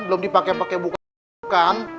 belum dipake pake buka buka kan